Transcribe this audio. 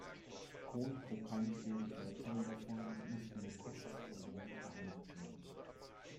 Cohn trug keine schweren Verletzungen davon und musste nur kurz ambulant behandelt werden.